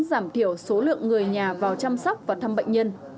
giảm thiểu số lượng người nhà vào chăm sóc và thăm bệnh nhân